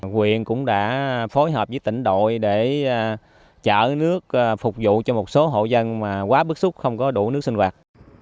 huyện cũng đã phối hợp với tỉnh đội để chở nước phục vụ cho một số hộ dân mà quá bức xúc không có đủ nước sinh hoạt